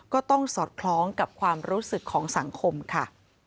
ก็ต้องสอดคล้องกับความรู้สึกของสังคมค่ะ